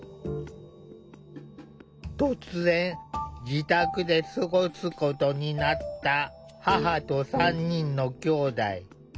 突然自宅で過ごすことになった母と３人のきょうだい。